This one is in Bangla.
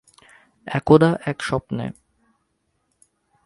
একদা এক স্বপ্নে।